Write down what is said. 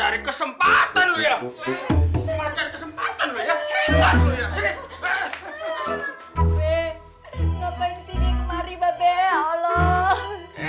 wajar kesempatan lu ya kesempatan